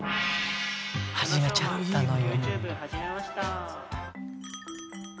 始めちゃったのよ。